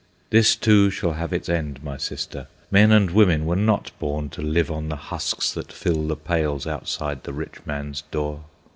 This, too, shall have its end, my sister! Men and women were not born to live on the husks that fill the pails outside the rich man's door.